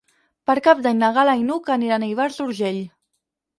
Per Cap d'Any na Gal·la i n'Hug aniran a Ivars d'Urgell.